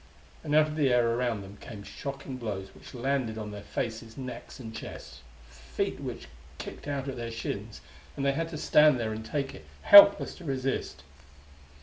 And out of the air around them came shocking blows which landed on their faces, necks and chests; feet which kicked out at their shins; and they had to stand there and take it, helpless to resist.